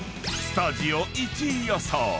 ［スタジオ１位予想］